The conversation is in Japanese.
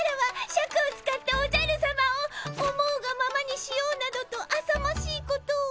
シャクを使っておじゃるさまを思うがままにしようなどとあさましいことを。